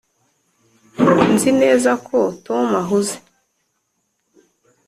nzi neza ko tom ahuze.